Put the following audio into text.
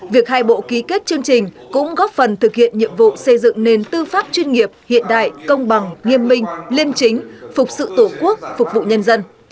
việc hai bộ ký kết chương trình cũng góp phần thực hiện nhiệm vụ xây dựng nền tư pháp chuyên nghiệp hiện đại công bằng nghiêm minh liêm chính phục sự tổ quốc phục vụ nhân dân